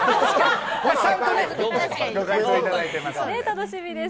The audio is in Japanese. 楽しみです。